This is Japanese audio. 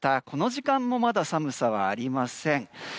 この時間もまだ寒さはありません。